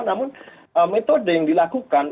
namun metode yang dilakukan